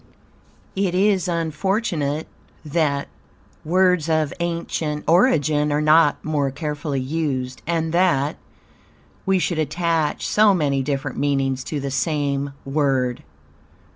It is unfortunate, that, words of ancient origin are not more carefully used, and that, we should attach so many different meanings to the same word.